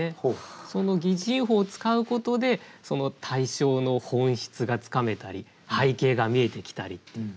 その擬人法を使うことでその対象の本質がつかめたり背景が見えてきたりっていう。